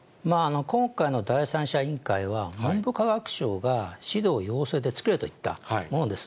今回の第三者委員会は、文部科学省が指導、要請で作れといったものです。